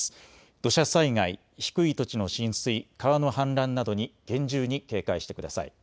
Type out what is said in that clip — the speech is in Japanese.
土砂災害、低い土地の浸水、川の氾濫などに厳重に警戒してください。